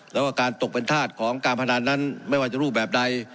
แล้วก็การตกเป็นธาตุของการพนันนั้นไม่ว่าจะรูปแบบใด